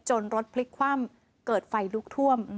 รถพลิกคว่ำเกิดไฟลุกท่วม